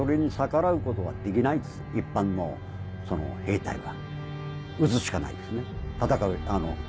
一般の兵隊は。